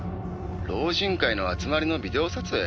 「老人会の集まりのビデオ撮影？」